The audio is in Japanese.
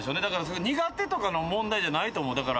だから苦手とかの問題じゃないと思う。